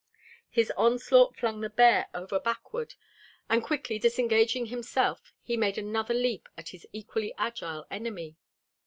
His onslaught flung the bear over backward, and quickly disengaging himself he made another leap at his equally agile enemy.